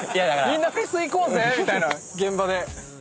みんなフェス行こうぜみたいな現場で。